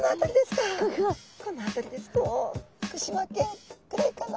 この辺りですと福島県ぐらいかな。